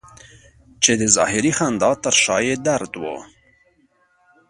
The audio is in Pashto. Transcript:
چې د ظاهري خندا تر شا یې درد و.